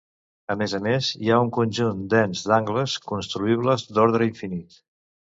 A més a més hi ha un conjunt dens d'angles construïbles d'ordre infinit.